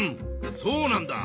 そうなんだ。